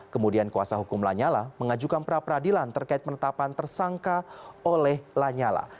kemudian kuasa hukum lanyala mengajukan pra peradilan terkait penetapan tersangka oleh lanyala